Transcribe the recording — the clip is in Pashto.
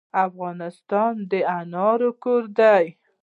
افغانستان د انارو کور دی.